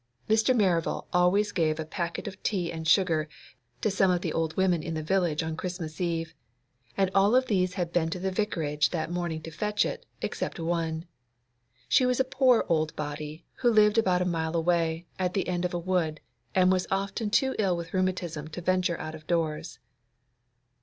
Mr. Merival always gave a packet of tea and sugar to some of the old women in the village on Christmas Eve, and all of these had been to the Vicarage that morning to fetch it, except one. She was a poor old body, who lived about a mile away, at the end of a wood, and was often too ill with rheumatism to venture out of doors.